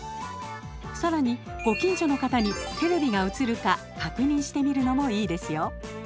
さらに、ご近所の方にテレビが映るか確認してみるのもいいですよ。